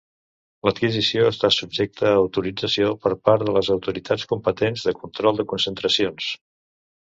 L'adquisició està subjecta a autorització per part de les autoritats competents de control de concentracions.